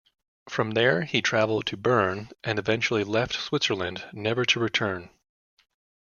From there, he travelled to Bern and eventually left Switzerland, never to return.